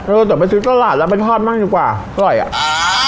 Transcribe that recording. เออแต่ต้องไปซื้อตลาดแล้วเทอร์ฟมั่นดีกว่ามันมันอร่อยอะ